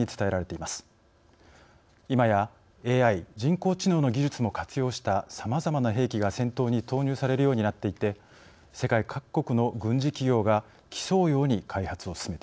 いまやＡＩ＝人工知能の技術も活用したさまざまな兵器が戦闘に投入されるようになっていて世界各国の軍事企業が競うように開発を進めています。